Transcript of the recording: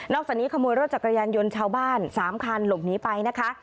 จากนี้ขโมยรถจักรยานยนต์ชาวบ้าน๓คันหลบหนีไปนะคะ